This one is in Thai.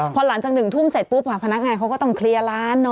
พอหลังจาก๑ทุ่มเสร็จปุ๊บพนักงานเขาก็ต้องเคลียร์ร้าน